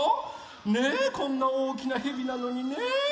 ねえこんなおおきなヘビなのにね。